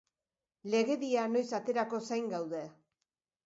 Legedia noiz aterako zain gaude.